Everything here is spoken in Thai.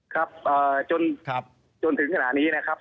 ครับจนถึงขณะนี้นะครับ